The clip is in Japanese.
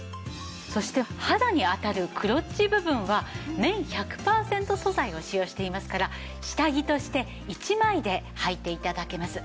そして肌に当たるクロッチ部分は綿１００パーセント素材を使用していますから下着として一枚ではいて頂けます。